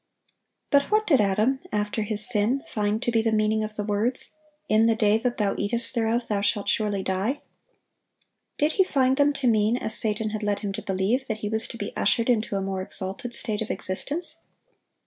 But what did Adam, after his sin, find to be the meaning of the words, "In the day that thou eatest thereof thou shalt surely die"? Did he find them to mean, as Satan had led him to believe, that he was to be ushered into a more exalted state of existence?